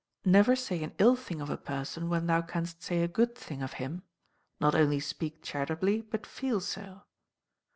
Never say an ill thing of a person when thou canst say a good thing of him; not only speak charitably, but feel so.